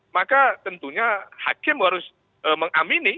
maka tentunya hakim harus mengamini